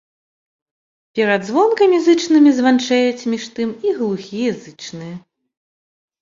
Перад звонкімі зычнымі званчэюць, між тым, і глухія зычныя.